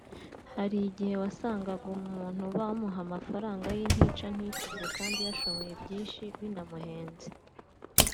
hari igihe wasangaga umuntu bamuha amafaranga y’intica ntikize kandi yashoye byinshi binamuhenze